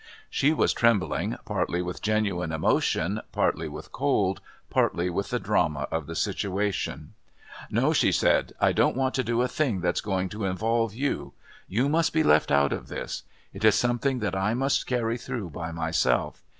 She was trembling, partly with genuine emotion, partly with cold, partly with the drama of the situation. "No," she said, "I don't want to do a thing that's going to involve you. You must be left out of this. It is something that I must carry through by myself.